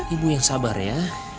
ibu yang sabar ya